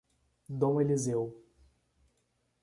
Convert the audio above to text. Dom Eliseu